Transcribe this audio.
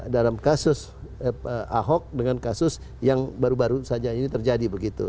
dalam kasus ahok dengan kasus yang baru baru saja ini terjadi begitu